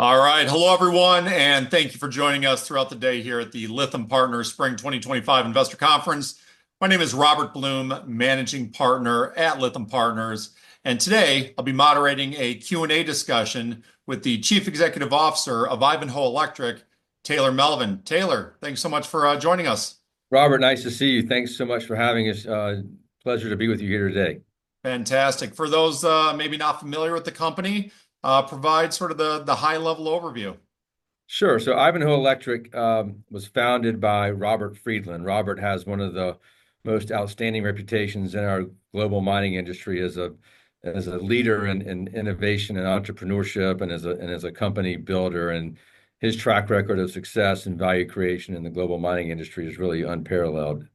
All right. Hello, everyone, and thank you for joining us throughout the day here at the Lithium Partners Spring 2025 Investor Conference. My name is Robert Blum, Managing Partner at Lytham Partners. Today I'll be moderating a Q&A discussion with the Chief Executive Officer of Ivanhoe Electric, Taylor Melvin. Taylor, thanks so much for joining us. Robert, nice to see you. Thanks so much for having us. Pleasure to be with you here today. Fantastic. For those maybe not familiar with the company, provide sort of the high-level overview. Sure. Ivanhoe Electric was founded by Robert Friedland. Robert has one of the most outstanding reputations in our global mining industry as a leader in innovation and entrepreneurship and as a company builder. His track record of success and value creation in the global mining industry is really unparalleled.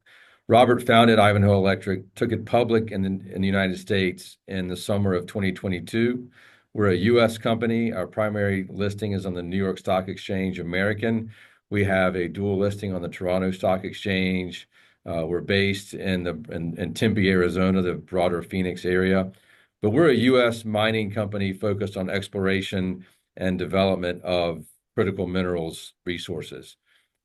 Robert founded Ivanhoe Electric, took it public in the U.S. in the summer of 2022. We're a U.S. company. Our primary listing is on the New York Stock Exchange, American. We have a dual listing on the Toronto Stock Exchange. We're based in Tempe, Arizona, the broader Phoenix area. We're a U.S. mining company focused on exploration and development of critical minerals resources.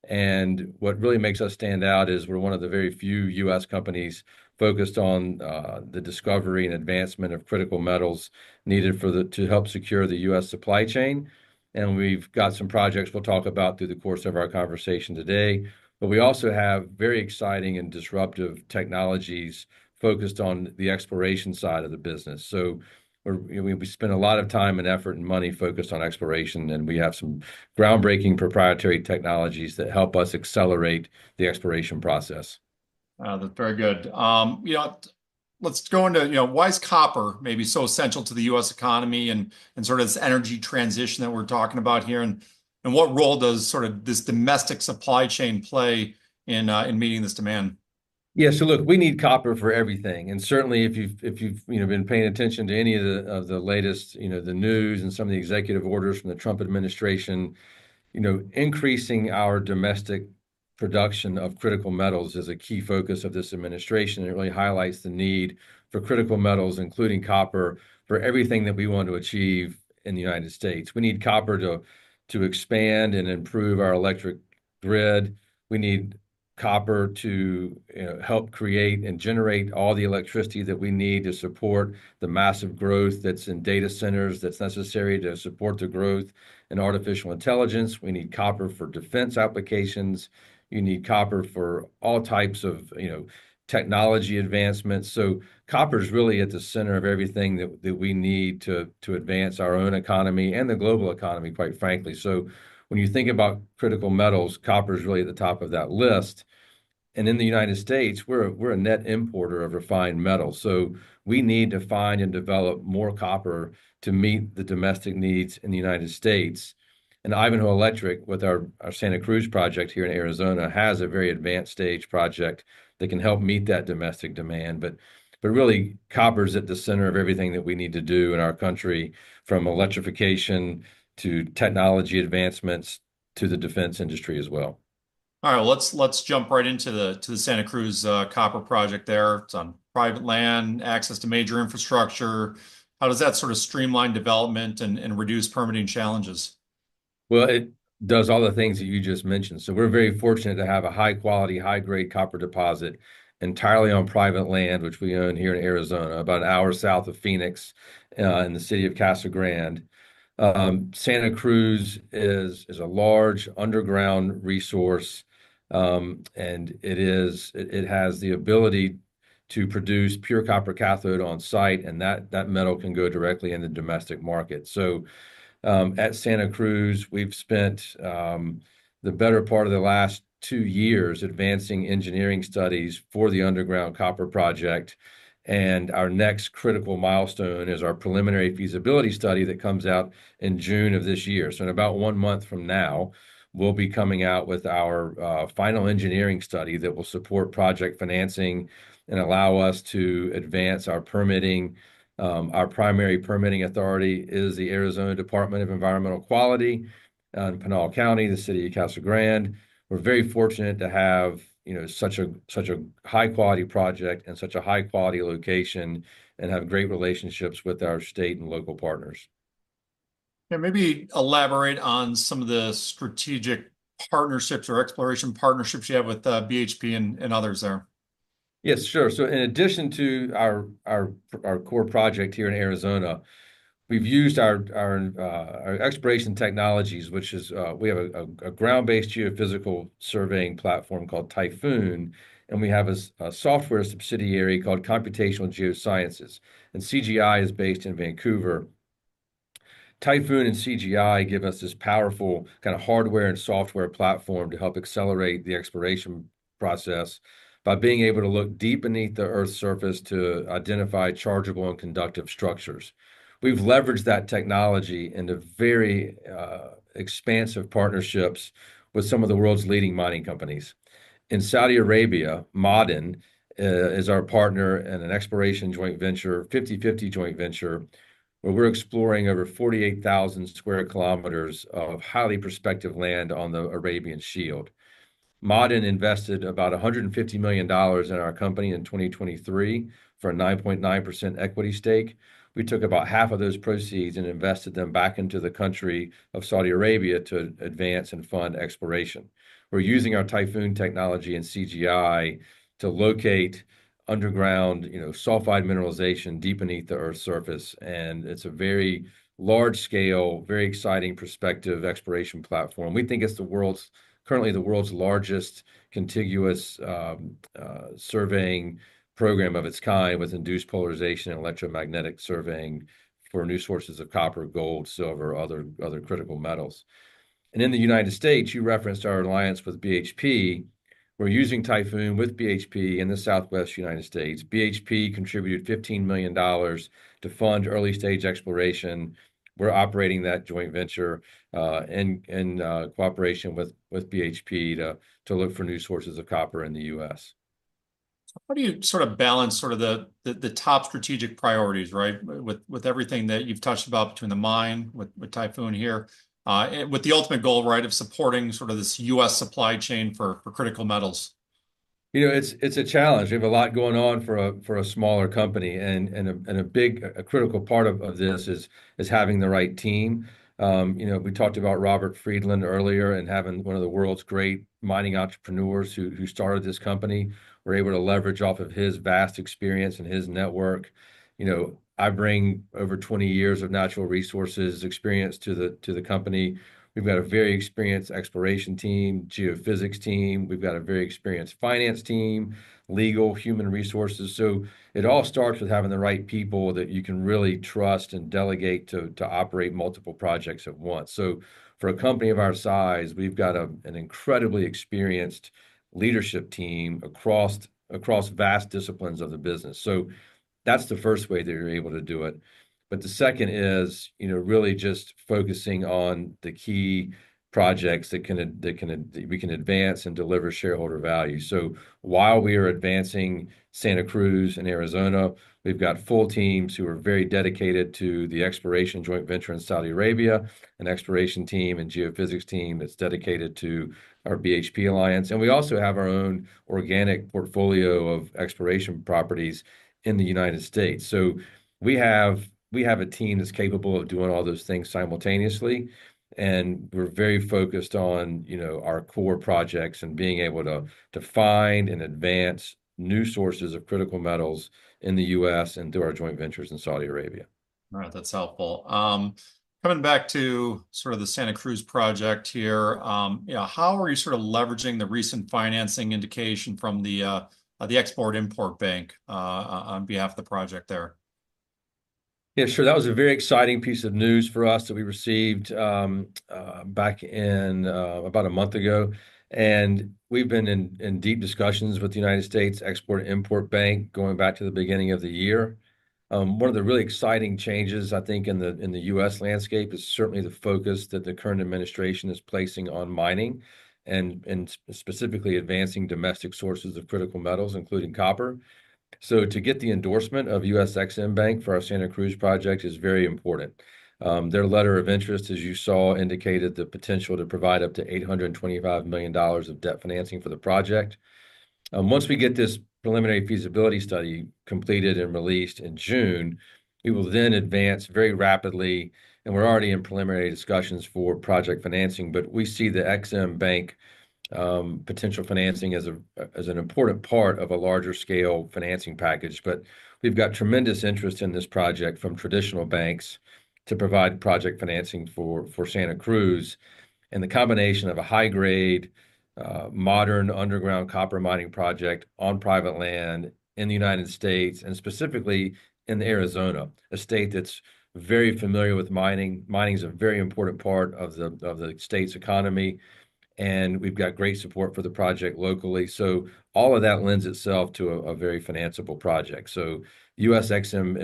What really makes us stand out is we're one of the very few U.S. companies focused on the discovery and advancement of critical metals needed to help secure the U.S. supply chain. We have got some projects we will talk about through the course of our conversation today. We also have very exciting and disruptive technologies focused on the exploration side of the business. We spend a lot of time and effort and money focused on exploration, and we have some groundbreaking proprietary technologies that help us accelerate the exploration process. That's very good. You know, let's go into, you know, why is copper maybe so essential to the U.S. economy and sort of this energy transition that we're talking about here? What role does sort of this domestic supply chain play in meeting this demand? Yeah. Look, we need copper for everything. And certainly, if you've been paying attention to any of the latest, you know, the news and some of the executive orders from the Trump administration, you know, increasing our domestic production of critical metals is a key focus of this administration. It really highlights the need for critical metals, including copper, for everything that we want to achieve in the United States. We need copper to expand and improve our electric grid. We need copper to help create and generate all the electricity that we need to support the massive growth that's in data centers that's necessary to support the growth in artificial intelligence. We need copper for defense applications. You need copper for all types of technology advancements. Copper is really at the center of everything that we need to advance our own economy and the global economy, quite frankly. When you think about critical metals, copper is really at the top of that list. In the U.S., we're a net importer of refined metals. We need to find and develop more copper to meet the domestic needs in the United States. Ivanhoe Electric, with our Santa Cruz project here in Arizona, has a very advanced stage project that can help meet that domestic demand. Really, copper is at the center of everything that we need to do in our country, from electrification to technology advancements to the defense industry as well. All right. Let's jump right into the Santa Cruz Copper Project there. It's on private land, access to major infrastructure. How does that sort of streamline development and reduce permitting challenges? It does all the things that you just mentioned. We're very fortunate to have a high-quality, high-grade copper deposit entirely on private land, which we own here in Arizona, about an hour south of Phoenix in the city of Casa Grande. Santa Cruz is a large underground resource, and it has the ability to produce pure copper cathode on site, and that metal can go directly into the domestic market. At Santa Cruz, we've spent the better part of the last two years advancing engineering studies for the underground copper project. Our next critical milestone is our preliminary feasibility study that comes out in June of this year. In about one month from now, we'll be coming out with our final engineering study that will support project financing and allow us to advance our permitting. Our primary permitting authority is the Arizona Department of Environmental Quality in Pinal County, the city of Casa Grande. We're very fortunate to have such a high-quality project in such a high-quality location and have great relationships with our state and local partners. Yeah. Maybe elaborate on some of the strategic partnerships or exploration partnerships you have with BHP and others there. Yes, sure. In addition to our core project here in Arizona, we've used our exploration technologies, which is we have a ground-based geophysical surveying platform called Typhoon, and we have a software subsidiary called Computational Geosciences. CGI is based in Vancouver. Typhoon and CGI give us this powerful kind of hardware and software platform to help accelerate the exploration process by being able to look deep beneath the Earth's surface to identify chargeable and conductive structures. We've leveraged that technology into very expansive partnerships with some of the world's leading mining companies. In Saudi Arabia, Ma’aden is our partner in an exploration joint venture, 50/50 joint venture, where we're exploring over 48,000 sq km of highly prospective land on the Arabian Shield. Ma’aden invested about $150 million in our company in 2023 for a 9.9% equity stake. We took about half of those proceeds and invested them back into the country of Saudi Arabia to advance and fund exploration. We're using our Typhoon technology and CGI to locate underground sulfide mineralization deep beneath the Earth's surface. It's a very large-scale, very exciting prospective exploration platform. We think it's currently the world's largest contiguous surveying program of its kind with induced polarization and electromagnetic surveying for new sources of copper, gold, silver, other critical metals. In the United States, you referenced our alliance with BHP. We're using Typhoon with BHP in the southwest United States. BHP contributed $15 million to fund early-stage exploration. We're operating that joint venture in cooperation with BHP to look for new sources of copper in the U.S. How do you sort of balance sort of the top strategic priorities, right, with everything that you've touched about between the mine with Typhoon here with the ultimate goal, right, of supporting sort of this U.S. supply chain for critical metals? You know, it's a challenge. We have a lot going on for a smaller company. A big critical part of this is having the right team. You know, we talked about Robert Friedland earlier and having one of the world's great mining entrepreneurs who started this company. We're able to leverage off of his vast experience and his network. You know, I bring over 20 years of natural resources experience to the company. We've got a very experienced exploration team, geophysics team. We've got a very experienced finance team, legal, human resources. It all starts with having the right people that you can really trust and delegate to operate multiple projects at once. For a company of our size, we've got an incredibly experienced leadership team across vast disciplines of the business. That's the first way that you're able to do it. The second is, you know, really just focusing on the key projects that we can advance and deliver shareholder value. While we are advancing Santa Cruz in Arizona, we've got full teams who are very dedicated to the exploration joint venture in Saudi Arabia, an exploration team and geophysics team that's dedicated to our BHP alliance. We also have our own organic portfolio of exploration properties in the United States. We have a team that's capable of doing all those things simultaneously. We're very focused on our core projects and being able to find and advance new sources of critical metals in the U.S. and through our joint ventures in Saudi Arabia. All right. That's helpful. Coming back to sort of the Santa Cruz project here, how are you sort of leveraging the recent financing indication from the U.S. Export-Import Bank on behalf of the project there? Yeah, sure. That was a very exciting piece of news for us that we received back in about a month ago. And we've been in deep discussions with the U.S. Export-Import Bank going back to the beginning of the year. One of the really exciting changes, I think, in the U.S. landscape is certainly the focus that the current administration is placing on mining and specifically advancing domestic sources of critical metals, including copper. To get the endorsement of the U.S. Export-Import Bank for our Santa Cruz project is very important. Their letter of interest, as you saw, indicated the potential to provide up to $825 million of debt financing for the project. Once we get this preliminary feasibility study completed and released in June, we will then advance very rapidly. We're already in preliminary discussions for project financing. We see the U.S. Export-Import Bank potential financing as an important part of a larger-scale financing package. We've got tremendous interest in this project from traditional banks to provide project financing for Santa Cruz. The combination of a high-grade, modern underground copper mining project on private land in the United States, and specifically in Arizona, a state that's very familiar with mining. Mining is a very important part of the state's economy. We've got great support for the project locally. All of that lends itself to a very financeable project. U.S. Export-Import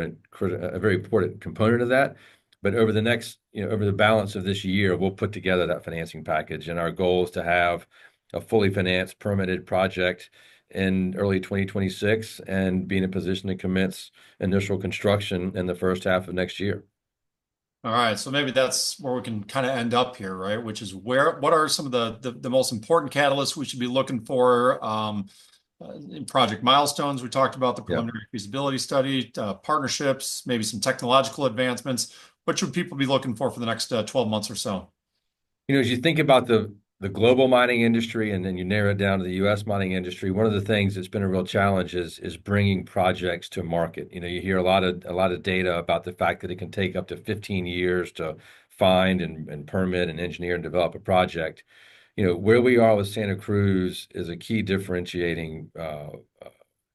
Bank is a very important component of that. Over the balance of this year, we'll put together that financing package. Our goal is to have a fully financed, permitted project in early 2026 and be in a position to commence initial construction in the first half of next year. All right. So maybe that's where we can kind of end up here, right, which is what are some of the most important catalysts we should be looking for in project milestones? We talked about the preliminary feasibility study, partnerships, maybe some technological advancements. What should people be looking for for the next 12 months or so? You know, as you think about the global mining industry and then you narrow it down to the U.S. mining industry, one of the things that's been a real challenge is bringing projects to market. You know, you hear a lot of data about the fact that it can take up to 15 years to find and permit and engineer and develop a project. You know, where we are with Santa Cruz is a key differentiating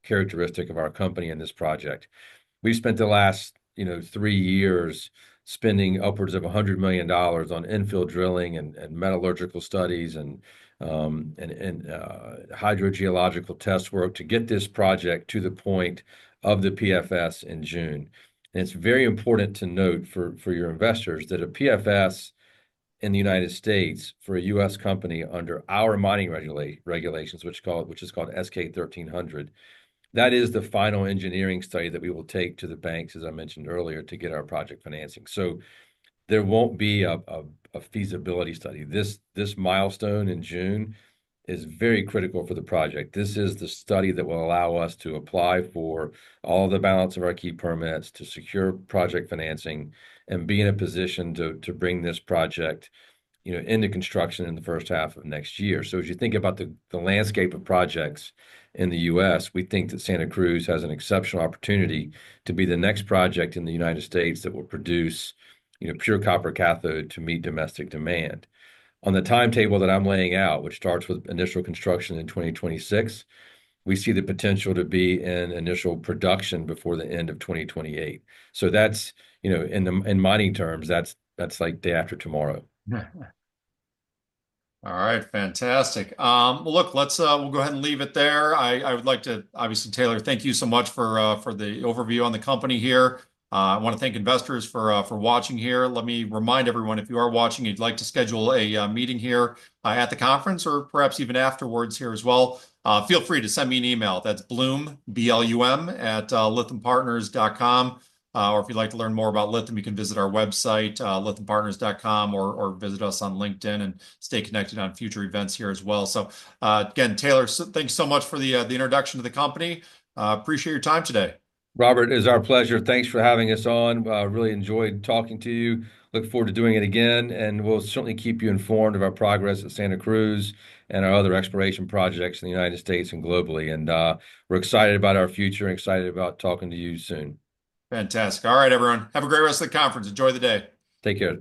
characteristic of our company in this project. We've spent the last, you know, three years spending upwards of $100 million on infill drilling and metallurgical studies and hydrogeological test work to get this project to the point of the PFS in June. It's very important to note for your investors that a PFS in the United States for a U.S. company under our mining regulations, which is called S-K 1300, that is the final engineering study that we will take to the banks, as I mentioned earlier, to get our project financing. There won't be a feasibility study. This milestone in June is very critical for the project. This is the study that will allow us to apply for all the balance of our key permits to secure project financing and be in a position to bring this project, you know, into construction in the first half of next year. As you think about the landscape of projects in the U.S., we think that Santa Cruz has an exceptional opportunity to be the next project in the United States that will produce, you know, pure copper cathode to meet domestic demand. On the timetable that I'm laying out, which starts with initial construction in 2026, we see the potential to be in initial production before the end of 2028. That's, you know, in mining terms, that's like day after tomorrow. All right. Fantastic. Look, we'll go ahead and leave it there. I would like to, obviously, Taylor, thank you so much for the overview on the company here. I want to thank investors for watching here. Let me remind everyone, if you are watching, you'd like to schedule a meeting here at the conference or perhaps even afterwards here as well, feel free to send me an email. That's Blum, B-L-U-M, at lythampartners.com. Or if you'd like to learn more about Lytham Partners, you can visit our website, lythampartners.com, or visit us on LinkedIn and stay connected on future events here as well. Again, Taylor, thanks so much for the introduction to the company. Appreciate your time today. Robert, it's our pleasure. Thanks for having us on. Really enjoyed talking to you. Look forward to doing it again. We'll certainly keep you informed of our progress at Santa Cruz and our other exploration projects in the United States and globally. We're excited about our future and excited about talking to you soon. Fantastic. All right, everyone, have a great rest of the conference. Enjoy the day. Take care.